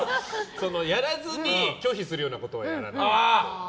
やらずに拒否するようなことはやらないという。